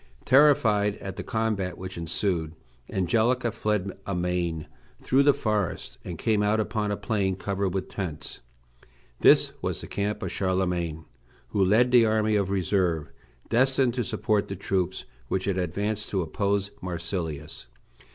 Terrified at the combat which ensued, Angelica fled amain through the forest, and came out upon a plain covered with tents. This was the camp of Charlemagne, who led the army of reserve destined to support the troops which had advanced to oppose Marsilius.